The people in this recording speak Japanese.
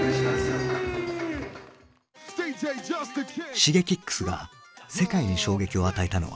Ｓｈｉｇｅｋｉｘが世界に衝撃を与えたのは３年前。